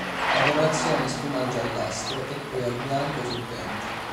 La colorazione sfuma al giallastro e poi al bianco sul ventre.